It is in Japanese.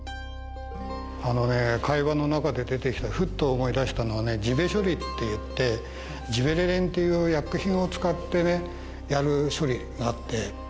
あのね会話の中で出てきてふっと思い出したのはねジベ処理っていってジベレリンっていう薬品を使ってねやる処理があって。